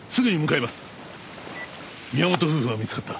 宮本夫婦が見つかった。